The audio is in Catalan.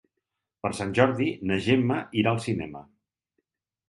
Per Sant Jordi na Gemma anirà al cinema.